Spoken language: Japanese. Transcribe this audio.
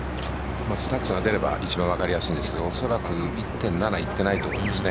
スタッツが出れば一番分かりやすいんですがおそらく１．７いってないと思います。